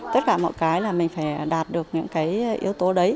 tất cả mọi cái là mình phải đạt được những cái yếu tố đấy